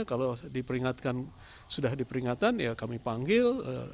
kalau sudah diperingatan ya kami panggil